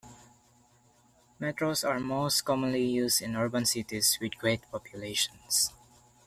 Metros are most commonly used in urban cities, with great populations.